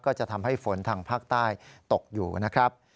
ก็จะทำให้ฝนทางภาคใต้ตกอยู่นะครับ